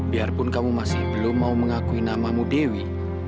biarpun kamu masih belum mau mengakui namamu dewi